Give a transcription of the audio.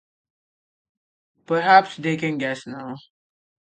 Perhaps they can guess now.